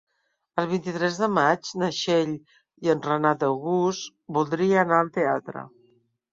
El vint-i-tres de maig na Txell i en Renat August voldria anar al teatre.